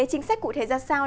chính sách cụ thể ra sao